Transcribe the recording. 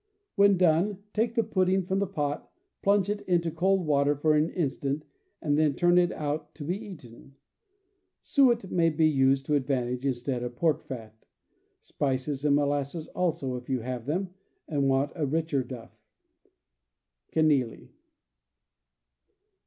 When done take the pudding from the pot, plunge it into cold water for an instant, and then turn it out to be eaten. Suet may be used to advantage instead of pork fat. Spices 162 CAMPING AND WOODCRAFT and molasses also, if you have them, and want a richer duff. {Kenealy.)